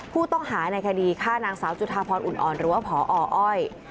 ผู้ต้องหาในคดีฆ่านางสาวจุธาพรอุ่นอ่อนหรือว่าพออ้อย